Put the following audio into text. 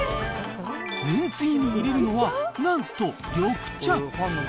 めんつゆに入れるのは、なんと緑茶。